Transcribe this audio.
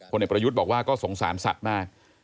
เด็กประยุทธ์บอกว่าก็สงสารสัตว์มาก